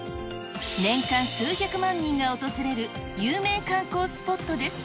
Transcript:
年間数百万人が訪れる有名観光スポットです。